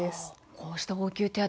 こうした応急手当